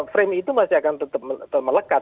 frame itu masih akan tetap melekat